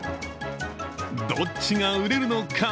どっちが売れるのか。